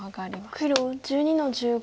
黒１２の十五。